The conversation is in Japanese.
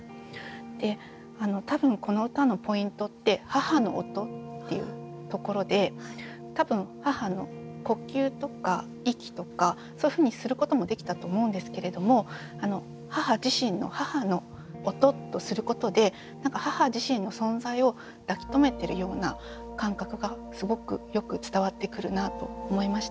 で多分この歌のポイントって「母の音」っていうところで多分「母の呼吸」とか「息」とかそういうふうにすることもできたと思うんですけれども母自身の「母の音」とすることでがすごくよく伝わってくるなと思いました。